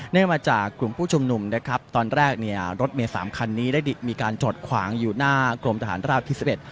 มาจากกลุ่มผู้ชุมนุมนะครับตอนแรกเนี่ยรถเมสามคันนี้ได้มีการจอดขวางอยู่หน้ากรมทหารราบที่๑๑